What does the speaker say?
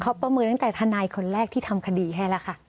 เขาประเมินนั้นแต่ธันายคนแรกที่ทำคดีแทนแหละค่ะ